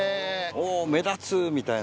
おぉ目立つみたいな。